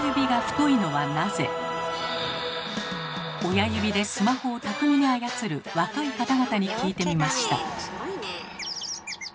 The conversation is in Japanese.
親指でスマホを巧みに操る若い方々に聞いてみました。